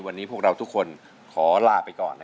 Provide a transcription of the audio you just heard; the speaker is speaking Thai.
๑๘นาฬิกา๒๐นาทีทางไทยรัสทีวีช่อง๓๒แห่งนี้